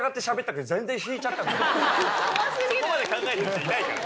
そこまで考える人いないから。